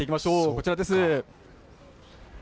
こちらです。